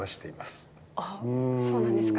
あそうなんですか？